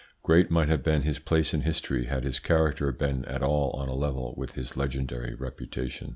Great might have been his place in history had his character been at all on a level with his legendary reputation.